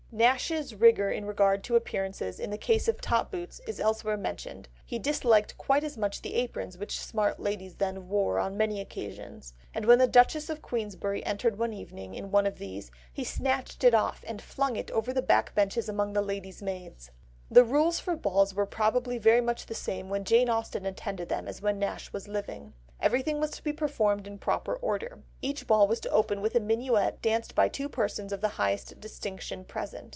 Nash's rigour in regard to appearances in the case of top boots is elsewhere mentioned, he disliked quite as much the aprons which smart ladies then wore on many occasions, and when the Duchess of Queensberry entered one evening in one of these, he snatched it off and flung it over the back benches among the ladies' maids. The rules for balls were probably very much the same when Jane Austen attended them as when Nash was living. Everything was to be performed in proper order. Each ball was to open with a minuet danced by two persons of the highest distinction present.